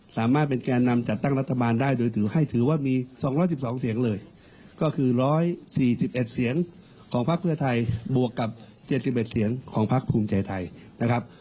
สามารถเป็นแก่นำจัดตั้งรัฐบาลได้โดยถือให้ถือว่ามี๒๑๒เสียงเลยก็คือ๑๔๑เสียงของพักเพื่อไทยบวกกับ๗๑เสียงของพักภูมิใจไทยนะครับ